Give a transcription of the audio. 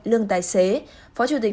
lương tài xế phó chủ tịch